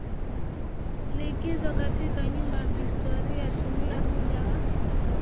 likizo katika nyumba ya kihistoria tumia muda wa